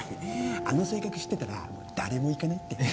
あの性格知ってたら誰もいかないって